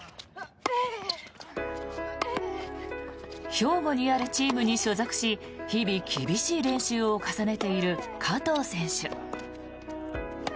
標語にあるチームに所属し日々、厳しい練習を重ねている加藤選手。